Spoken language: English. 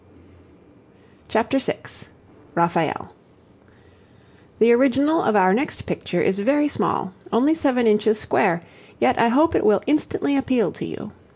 CHAPTER VI RAPHAEL The original of our next picture is very small, only seven inches square, yet I hope it will instantly appeal to you.